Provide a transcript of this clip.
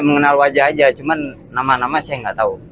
ya mengenal wajah aja cuman nama nama saya ga tau